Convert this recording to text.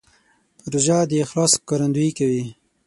روژه د اخلاص ښکارندویي کوي.